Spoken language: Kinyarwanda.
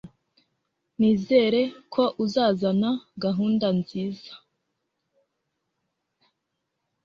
Nizere ko uzazana gahunda nziza.